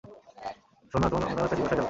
সোনা, তোমার তাড়াতাড়ি বাসায় যাওয়া উচিৎ।